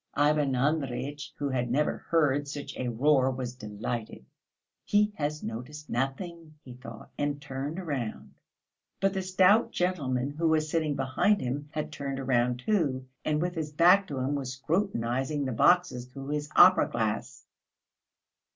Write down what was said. Ivan Andreyitch, who had never heard such a roar, was delighted. "He has noticed nothing!" he thought, and turned round; but the stout gentleman who was sitting behind him had turned round too, and with his back to him was scrutinising the boxes through his opera glass.